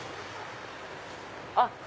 あっ